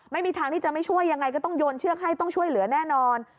ไม่มีทางที่จะไม่ช่วยยังไงก็ต้องโยนเชือกให้ต้องช่วยเหลือแน่นอน